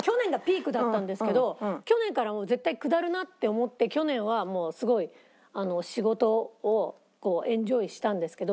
去年から絶対下るなって思って去年はすごい仕事をエンジョイしたんですけど。